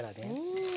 うん。